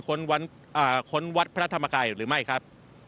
คนวันคนวัดพระธรรมไกรหรือไม่ครับ